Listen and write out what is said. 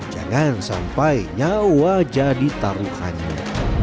jangan sampai nyawa jadi taruhannya